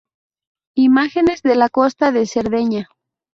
Imágenes de la costa de Cerdeña